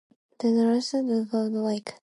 Hyco Creek joins the Hyco River within Hyco Lake.